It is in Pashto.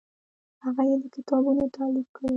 هغه یې د کتابونو تالیف کړی و.